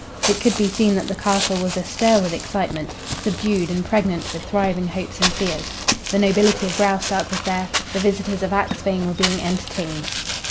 It could be seen that the castle was astir with excitement, subdued and pregnant with thriving hopes and fears. The nobility of Graustark was there; the visitors of Axphain were being entertained.